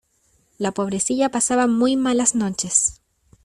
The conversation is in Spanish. La pobrecilla pasaba muy malas noches.